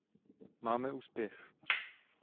Máme úspěch.